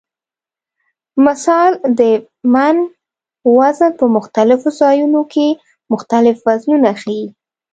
مثلا د "من" وزن په مختلفو ځایونو کې مختلف وزنونه ښیي.